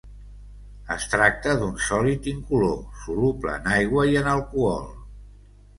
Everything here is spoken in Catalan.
Es tracta d'un sòlid incolor, soluble en aigua i en alcohol.